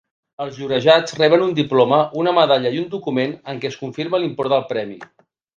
Els llorejats reben un diploma, una medalla i un document en què es confirma l'import del premi.